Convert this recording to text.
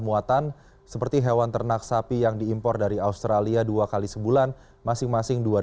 muatan seperti hewan ternak sapi yang diimpor dari australia dua kali sebulan masing masing